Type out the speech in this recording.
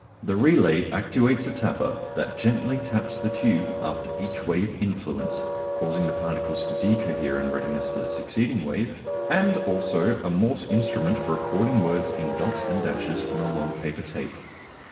The relay actuates a tapper that gently taps the tube after each wave influence, causing the particles to _de_cohere in readiness for the succeeding wave, and also a Morse instrument for recording words in dots and dashes on a long paper tape.